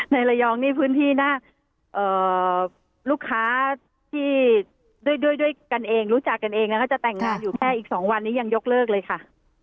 ในระยองนี่พื้นที่หน้าลูกค้าที่ด้วยกันเองรู้จักกันเองนะคะจะแต่งงานอยู่แค่อีก๒วันนี้ยังยกเลิกเลยค่ะ